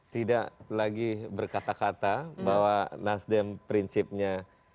tidak lagi berkata kata bahwa nasdem prinsipnya